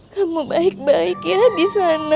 kamu baik baik ya di sana